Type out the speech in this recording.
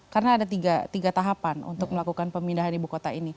karena ada tiga tahapan untuk melakukan pemindahan ibu kota